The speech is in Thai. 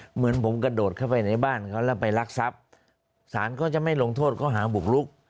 เหมือนผมกระโดดเข้าไปในบ้านเขาแล้วไปรักทรัพย์ศาลเขาจะไม่ลงโทษเขาหาบุกลุก